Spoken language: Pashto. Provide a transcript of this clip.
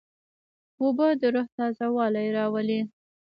اوبه د روح تازهوالی راولي.